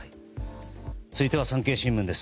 続いては産経新聞です。